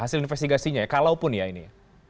hasil investigasinya ya kalaupun ya ini